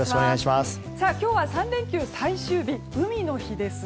今日は３連休最終日海の日です。